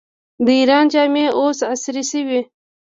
د ایران جامې اوس عصري شوي.